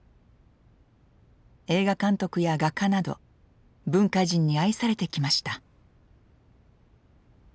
映画監督や画家など文化人に愛されてきました。